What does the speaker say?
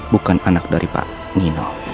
bukan anak dari pak nino